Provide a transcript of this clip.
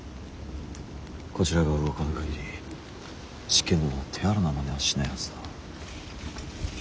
こちらが動かぬ限り執権殿は手荒なまねはしないはずだ。